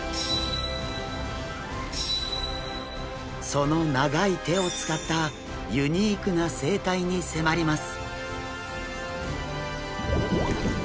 その長い手を使ったユニークな生態に迫ります。